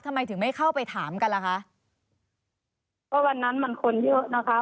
ทำไมถึงไม่เข้าไปถามกันล่ะคะก็วันนั้นมันคนเยอะนะคะ